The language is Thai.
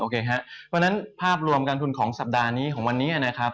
เพราะฉะนั้นภาพรวมการทุนของสัปดาห์นี้ของวันนี้นะครับ